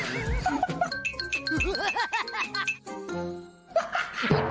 ในวันนี้ก็เป็นการประเดิมถ่ายเพลงแรก